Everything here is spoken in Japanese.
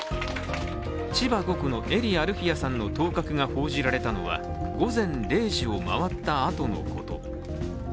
千葉５区の英利アルフィヤさんの当確が報じだれたのは午前０時を回ったあとのこと。